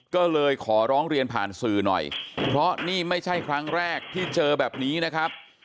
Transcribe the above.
ก็เลยขอร้องเรียนผ่านสื่อหน่อยเพราะนี่ไม่ใช่ครั้งแรกที่เจอแบบนี้นะครับ